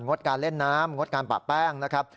ดการเล่นน้ำงดการปะแป้งนะครับ